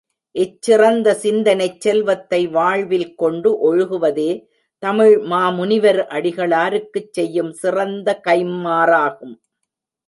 இச்சிறந்த சிந்தனைச் செல்வத்தை வாழ்வில் கொண்டு ஒழுகுவதே தமிழ் மாமுனிவர் அடிகளாருக்குச் செய்யும் சிறந்த கைம்மாறாகும்.